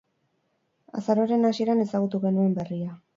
Azaroaren hasieran ezagutu genuen berria.